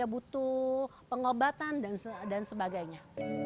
butuh pengobatan dan sebagainya